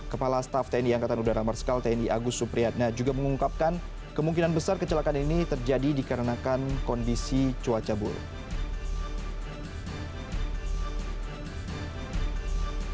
kepala staff tni angkatan udara marskal tni agus supriyatna juga mengungkapkan kemungkinan besar kecelakaan ini terjadi dikarenakan kondisi cuaca buruk